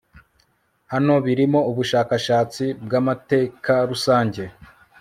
hano birimo ubushakashatsi bwamatekarusange